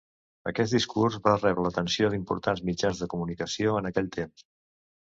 Aquest discurs va rebre l'atenció d'importants mitjans de comunicació en aquell temps.